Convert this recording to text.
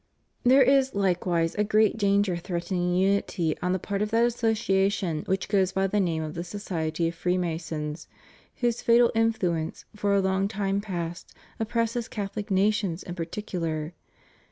There is Hkewise a great danger threatening unity on the part of that association which goes by the name of the society of Freemasons, whose fatal influence for a long time past oppresses CathoUc nations in particular.